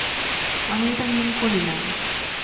আমি এটা মিন করি নাই।